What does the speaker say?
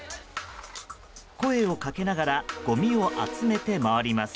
声をかけながらごみを集めて回ります。